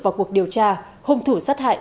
vào cuộc điều tra hùng thủ sát hại